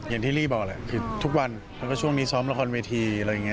เย็นที่ลีบออกซิทุกวันเท่านี้ซ้อมละครวีที